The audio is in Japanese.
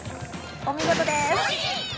お見事です。